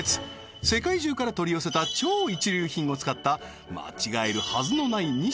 世界中から取り寄せた超一流品を使った間違えるはずのない二者